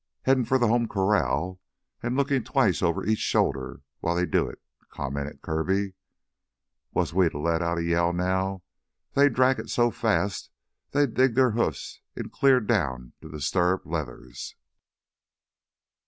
"Headin' for th' home corral, an' lookin' twice over each shoulder while they do it," commented Kirby. "Was we to let out a yell now, they'd drag it so fast they'd dig their hoofs in clear down to the stirrup leathers."